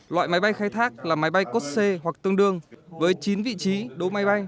loại máy bay khai thác là máy bay cốt c hoặc tương đương với chín vị trí đố máy bay